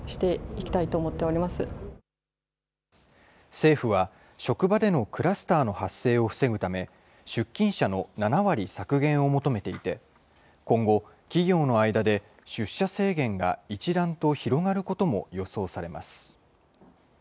政府は、職場でのクラスターの発生を防ぐため、出勤者の７割削減を求めていて、今後、企業の間で出社制限が一段と広がることも予想されます。